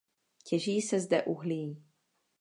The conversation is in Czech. Těží se zde uhlí.